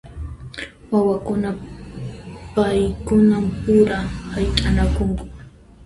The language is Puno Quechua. Wawakuna paykuna pura hayt'anakunku.